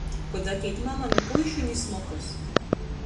Kod atīt mama, nu puišu ni smokys.